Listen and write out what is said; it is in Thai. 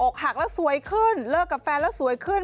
หักแล้วสวยขึ้นเลิกกับแฟนแล้วสวยขึ้น